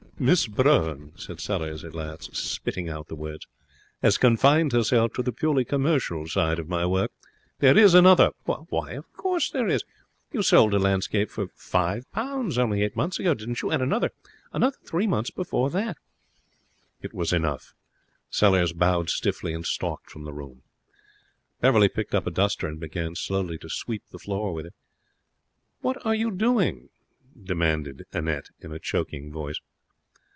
'Miss Brougham,' said Sellers at last, spitting out the words, 'has confined herself to the purely commercial side of my work. There is another.' 'Why, of course there is. You sold a landscape for five pounds only eight months ago, didn't you? And another three months before that.' It was enough. Sellers bowed stiffly and stalked from the room. Beverley picked up a duster and began slowly to sweep the floor with it. 'What are you doing?' demanded Annette, in a choking voice.